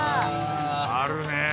あるね。